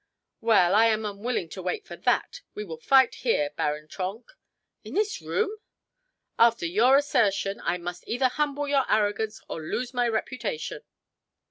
"Well, I am unwilling to wait for that. We will fight here, Baron Trenck." "In this room?" "After your assertion, I must either humble your arrogance or lose my reputation."